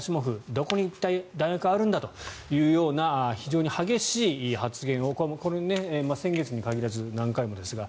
どこに弾薬があるんだといったような非常に激しい発言をこれ、先月に限らず何回もですが。